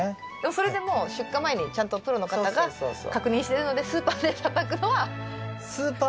それでもう出荷前にちゃんとプロの方が確認してるのでスーパーでたたくのは。